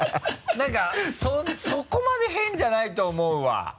何かそこまで変じゃないと思うわ。